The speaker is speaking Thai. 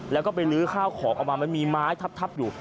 แล้วก็ไปลื้อข้าวของออกมามันมีไม้ทับอยู่